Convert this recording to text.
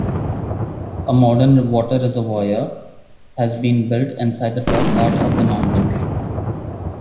A modern water reservoir has been built inside the top part of the mountain.